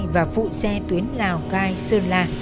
và phụ xe tuyến lào cai sơn lạ